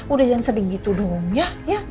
udah jangan sedih gitu dong ya